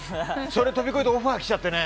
それ飛び越えてオファーが来ちゃってね。